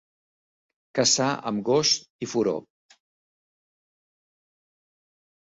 Caçar amb gos i furó.